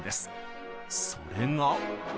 それが。